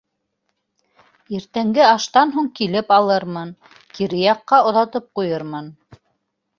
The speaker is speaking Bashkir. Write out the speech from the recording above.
Иртәнге аштан һуң килеп алырмын, кире яҡҡа оҙатып ҡуйырмын.